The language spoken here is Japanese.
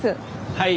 はい。